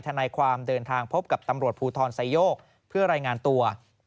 ทนายความเดินทางพบกับตำรวจภูทรไซโยกเพื่อรายงานตัว